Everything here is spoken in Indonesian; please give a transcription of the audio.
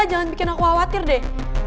jangan bikin aku khawatir deh